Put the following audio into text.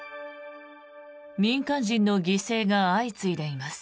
民間人の犠牲が相次いでいます。